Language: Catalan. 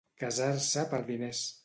Casar-se per diners.